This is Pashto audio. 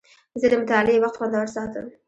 زه د مطالعې وخت خوندور ساتم.